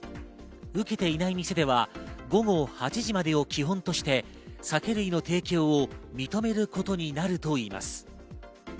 受けていない店は午後８時までを基本として、酒類の提供を認めることになるといいます。